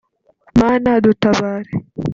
Mana dutabare